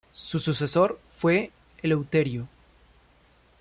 Su sucesor fue Eleuterio.